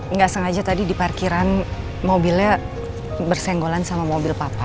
nggak sengaja tadi di parkiran mobilnya bersenggolan sama mobil papa